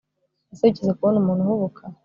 Ese wigeze kubona umuntu uhubuka